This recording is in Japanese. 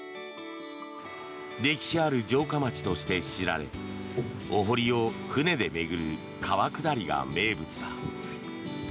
歴史ある城下町として知られお濠を船で巡る川下りが名物だ。